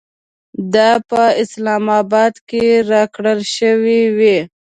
دا په اسلام اباد کې راکړل شوې وې.